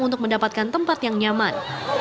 untuk mendapatkan tempat yang nyaman